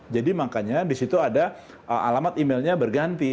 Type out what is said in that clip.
jadi makanya disitu ada alamat emailnya berganti